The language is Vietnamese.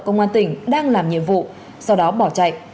công an tỉnh đang làm nhiệm vụ sau đó bỏ chạy